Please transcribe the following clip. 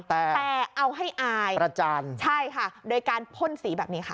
แต่เอาให้อายประจานใช่ค่ะโดยการพ่นสีแบบนี้ค่ะ